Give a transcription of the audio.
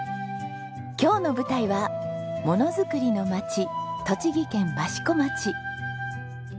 今日の舞台はものづくりの町栃木県益子町。